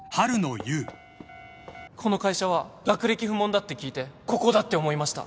この会社は学歴不問だって聞いてここだって思いました。